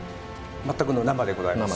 全くの生でございます